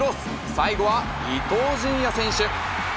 最後は伊東純也選手。